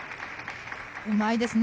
うまいですね。